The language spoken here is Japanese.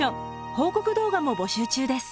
報告動画も募集中です。